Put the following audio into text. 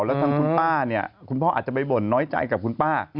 แล้วทางคุณป้าเนี่ยคุณพ่ออาจจะไปบ่นน้อยใจกับคุณป้า